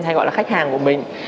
hay gọi là khách hàng của mình